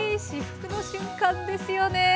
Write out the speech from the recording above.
至福の瞬間ですよね。